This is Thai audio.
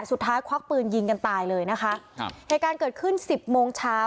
สุดท้ายควักปืนยิงกันตายเลยนะคะในการเกิดขึ้น๑๐โมงเช้า